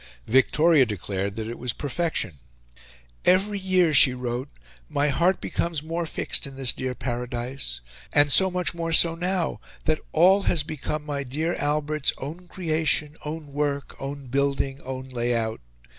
Victoria declared that it was perfection. "Every year," she wrote, "my heart becomes more fixed in this dear paradise, and so much more so now, that ALL has become my dear Albert's own creation, own work, own building, own lay out...